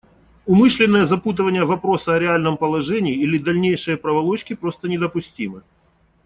Умышленное запутывание вопроса о реальном положении или дальнейшие проволочки просто недопустимы.